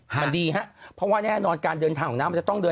มันดีฮะเพราะว่าแน่นอนการเดินทางของน้ำมันจะต้องเดิน